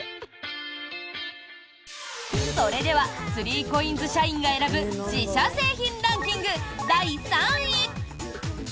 それでは３ＣＯＩＮＳ社員が選ぶ自社製品ランキング第３位！